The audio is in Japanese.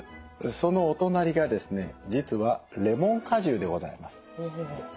そのお隣がですね実はレモン果汁でございます。